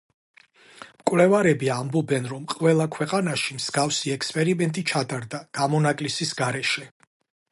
მკვლევარები ამბობენ, რომ ყველა ქვეყანაში მსგავსი ექსპერიმენტი ჩატარდა, გამონაკლისის გარეშე.